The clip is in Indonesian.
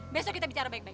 besok kita bicara baik baik